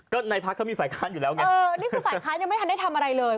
ก็ในพักเขามีฝ่ายค้านอยู่แล้วไงเออนี่คือฝ่ายค้านยังไม่ทันได้ทำอะไรเลย